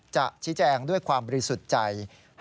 จะชี้แจงด้วยความบริสุทธิ์ใจ